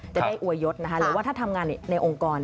จะได้อวยยศหรือว่าถ้าทำงานในองค์กร